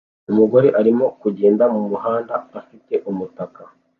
Umugore arimo kugenda mumuhanda afite umutaka